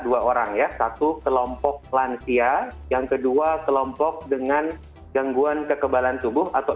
dua orang ya satu kelompok lansia yang kedua kelompok dengan gangguan kekebalan tubuh atau